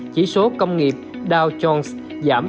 chỉ số công nghiệp dow jones giảm chín mươi bảy